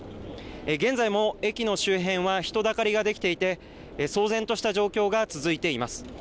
現在も駅の周辺は人だかりができていて騒然とした状況が続いています。